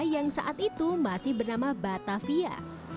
yang saat itu masih bernama batavia